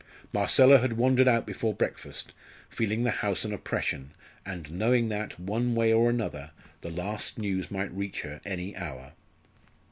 Marcella had wandered out before breakfast, feeling the house an oppression, and knowing that, one way or another, the last news might reach her any hour.